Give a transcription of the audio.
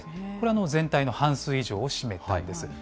これ全体の半数以上を占めているんです。